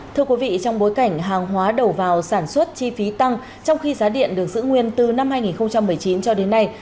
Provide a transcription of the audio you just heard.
thưa quý vị trong bối cảnh hàng hóa đầu vào sản xuất chi phí tăng trong khi giá điện được giữ nguyên từ năm hai nghìn một mươi chín cho đến nay